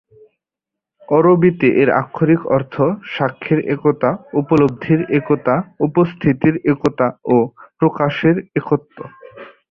আরবিতে এর আক্ষরিক অর্থ "সাক্ষীর একতা", "উপলব্ধির একতা", "উপস্থিতির একতা" বা "প্রকাশের একত্ব"।